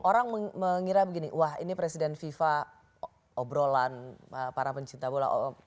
orang mengira begini wah ini presiden fifa obrolan para pencinta bola